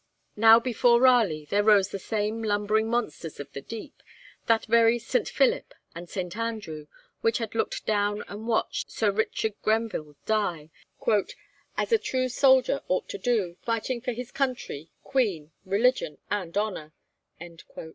Now before Raleigh there rose the same lumbering monsters of the deep, that very 'St. Philip' and 'St. Andrew' which had looked down and watched Sir Richard Grenville die, 'as a true soldier ought to do, fighting for his country, queen, religion, and honour.'